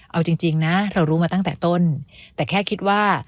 เอาจริงนะเรารู้มาตั้งแต่ต้นแต่แค่คิดว่า